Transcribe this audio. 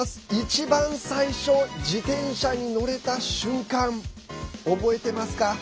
一番最初、自転車に乗れた瞬間覚えてますか？